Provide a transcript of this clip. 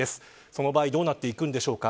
その場合どうなっていくんでしょうか。